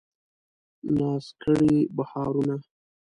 ناز کړي بهارونه